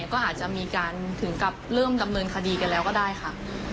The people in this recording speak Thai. ก็อาจจะมีการถึงกับเริ่มดำเนินคดีกันแล้วก็ได้ค่ะ